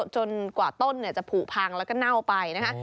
จนกว่าต้นจะผูกพังแล้วก็เน่าไปนะคะ